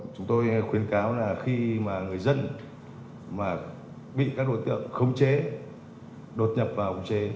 chúng tôi khuyến cáo là khi mà người dân bị các đối tượng khống chế đột nhập vào khống chế